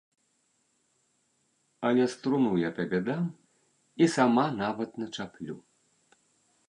Але струну я табе дам і сама нават начаплю.